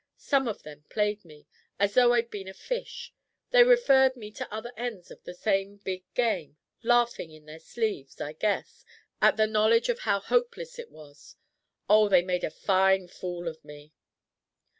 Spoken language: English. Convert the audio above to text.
Some of them played me as though I'd been a fish. They referred me to other ends of the same big game, laughing in their sleeves, I guess, at the knowledge of how hopeless it was. Oh, they made a fine fool of me."